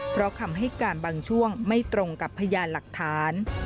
เพราะคำให้การบางช่วงไม่ตรงกับพยานหลักฐาน